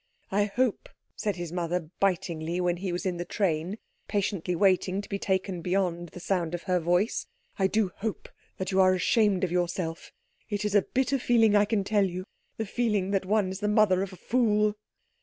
"I hope," said his mother bitingly when he was in the train, patiently waiting to be taken beyond the sound of her voice, "I do hope that you are ashamed of yourself. It is a bitter feeling, I can tell you, the feeling that one is the mother of a fool."